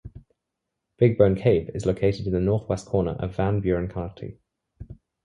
Big Bone Cave is located in the northwest corner of Van Buren County.